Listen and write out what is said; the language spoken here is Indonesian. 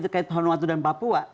terkait pahunuatu dan papua